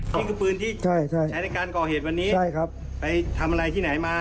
นี่คือปืนที่ใช้ในการก่อเหตุวันนี้ใช่ครับไปทำอะไรที่ไหนมา